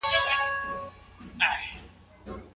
زه په تنهايي کي لاهم شور یمه